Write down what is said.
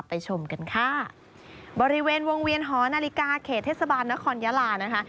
ชมกันค่ะบริเวณวงเวียนหอนาฬิกาเขตเทศบาลนครยาลานะคะ